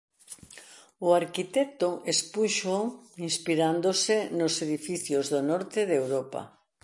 O arquitecto expúxoo inspirándose nos edificios do Norte de Europa.